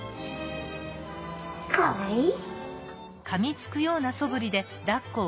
かわいい。